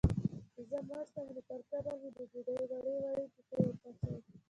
چي زه مړ سم، نو پر قبر مي د ډوډۍ وړې وړې ټوټې وپاشی